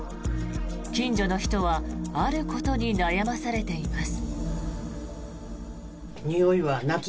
近所の人はあることに悩まされています。